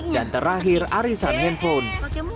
dan terakhir arisan handphone